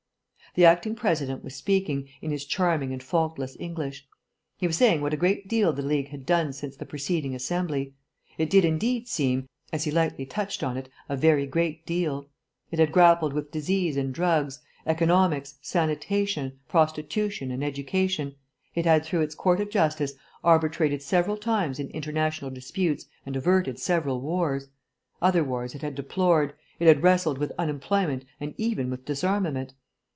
The acting President was speaking, in his charming and faultless English. He was saying what a great deal the League had done since the preceding Assembly. It did indeed seem, as he lightly touched on it, a very great deal. It had grappled with disease and drugs, economics, sanitation, prostitution, and education; it had through its Court of Justice arbitrated several times in international disputes and averted several wars; other wars it had deplored; it had wrestled with unemployment and even with disarmament